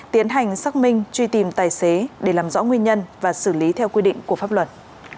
tiến hành xác minh truy tìm tài xế để làm rõ nguyên nhân và xử lý theo quy định của pháp luật